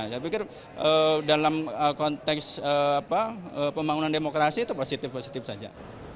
saya pikir dalam konteks pembangunan demokrasi itu positif positif saja